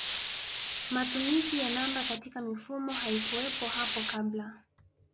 Matumizi ya namba katika mifumo haikuwepo hapo kabla